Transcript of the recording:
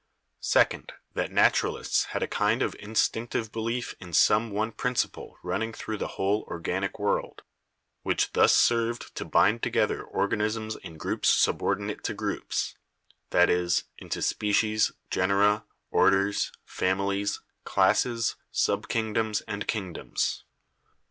Second, that naturalists had a kind of instinctive belief in some one principle running through the whole organic world, which thus served to bind together organisms in groups subordinate to groups — that is, into species, genera, orders, families, classes, sub kingdoms and kingdoms.